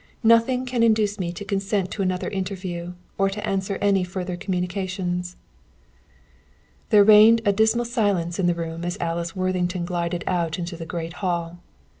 Nothing can induce me to consent to another interview, or to answer any further communications." There reigned a dismal silence in the room as Alice Worthington glided out into the great hall.